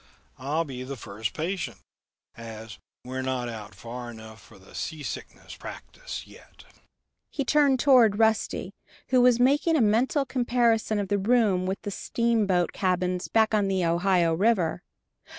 I'll be the first patient, as we're not out far enough for the seasickness practice yet." He turned toward Rusty, who was making a mental comparison of the room with the steamboat cabins back on the Ohio River.